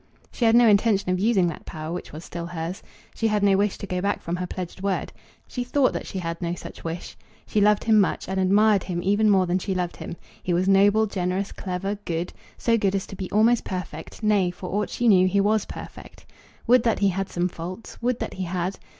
She had no intention of using that power which was still hers. She had no wish to go back from her pledged word. She thought that she had no such wish. She loved him much, and admired him even more than she loved him. He was noble, generous, clever, good, so good as to be almost perfect; nay, for aught she knew he was perfect. Would that he had some faults! Would that he had!